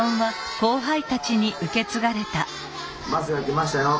「バスが来ましたよ。